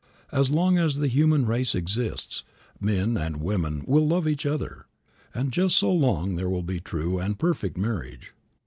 As long as the human race exists, men and women will love each other, and just so long there will be true and perfect marriage.